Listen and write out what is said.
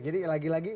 jadi lagi lagi